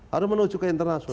harus menuju ke internasional